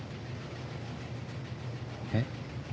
えっ？